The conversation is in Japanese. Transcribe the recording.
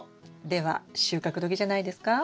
では収穫時じゃないですか？